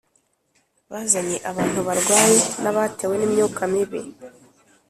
bazanye abantu barwaye n abatewe n imyuka mibi